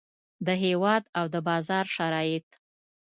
د هیواد او د بازار شرایط.